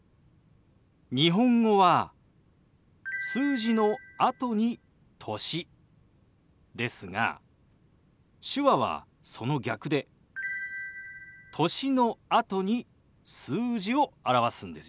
日本語は数字のあとに歳ですが手話はその逆で歳のあとに数字を表すんですよ。